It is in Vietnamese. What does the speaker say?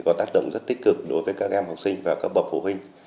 có tác động rất tích cực đối với các em học sinh và các bậc phụ huynh